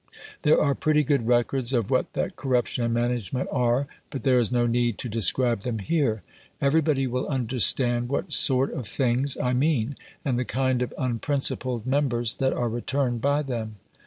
There are pretty good records of what that corruption and management are, but there is no need to describe them here. Everybody will understand what sort of things I mean, and the kind of unprincipled members that are returned by them.